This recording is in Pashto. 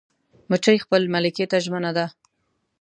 مچمچۍ خپل ملکې ته ژمنه ده